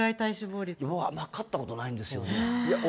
僕は測ったことないんですよね。